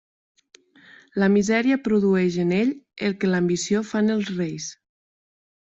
La misèria produeix en ell el que l'ambició fa en els reis.